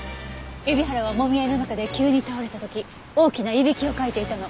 海老原はもみ合いの中で急に倒れた時大きないびきをかいていたの。